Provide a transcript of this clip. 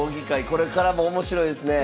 これからも面白いですね。